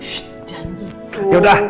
shh jangan gitu yaudah